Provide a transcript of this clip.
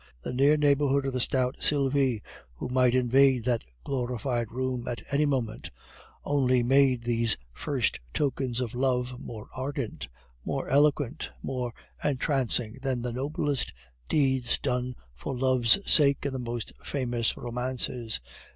The near neighborhood of the stout Sylvie, who might invade that glorified room at any moment, only made these first tokens of love more ardent, more eloquent, more entrancing than the noblest deeds done for love's sake in the most famous romances.